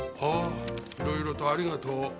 ああいろいろとありがとう。